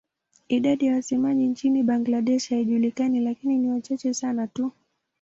Idadi ya wasemaji nchini Bangladesh haijulikani lakini ni wachache sana tu.